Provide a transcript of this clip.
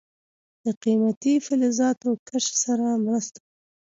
د قیمتي فلزاتو کشف سره مرسته وکړه.